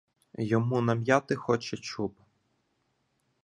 Йому нам'яти хоче чуб.